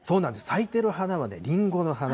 咲いてる花はりんごの花。